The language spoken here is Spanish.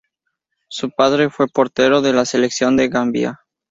Su padre fue portero de la selección de Gambia.